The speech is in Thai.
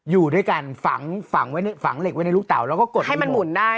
อยู่ด้วยกันฝังเหล็กไว้ในลูกเต๋าแล้วก็กดให้มันพลิกได้